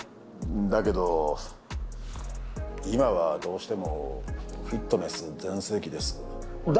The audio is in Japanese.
だけど、今はどうしてもフィットネス全盛期ですので。